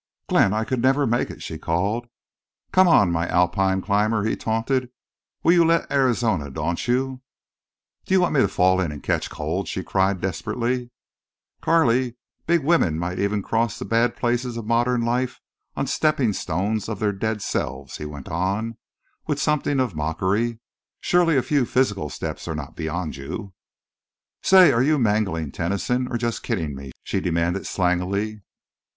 "Glenn, I could never make it," she called. "Come on, my Alpine climber," he taunted. "Will you let Arizona daunt you?" "Do you want me to fall in and catch cold?" she cried, desperately. "Carley, big women might even cross the bad places of modern life on stepping stones of their dead selves!" he went on, with something of mockery. "Surely a few physical steps are not beyond you." "Say, are you mangling Tennyson or just kidding me?" she demanded slangily.